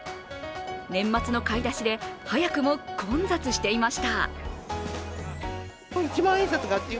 年末の買い出しで早くも混雑していました。